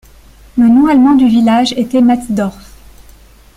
Le nom allemand du village était Matzdorf.